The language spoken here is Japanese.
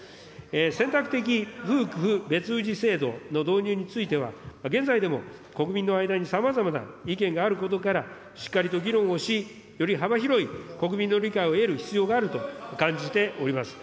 選択的夫婦別氏制度の導入については、現在でも国民の間にさまざまな意見があることから、しっかりと議論をし、より幅広い国民の理解を得る必要があると感じております。